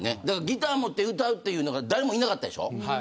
だからギター持って歌うっていうのが誰もいなかったでしょ。